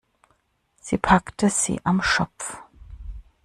Sie packte sie am Schopf.